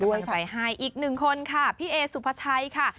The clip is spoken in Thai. กำลังใจให้อีกหนึ่งคนค่ะพี่เอสุภาชัยค่ะ